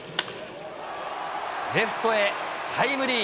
レフトへタイムリー。